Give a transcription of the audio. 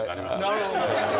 なるほど。